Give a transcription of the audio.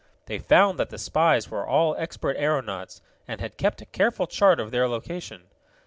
They found that the spies were all expert aeronauts, and had kept a careful chart of their location.